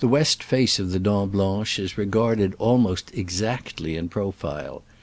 117 west face of the Dent Blanche is regard ed almost exactly in profile.